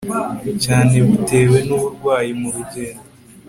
cyane butewe nuburwayi mu rugendo